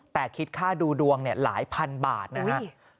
แต่คิดค่าดูดวงหลายพันบาทนะครับ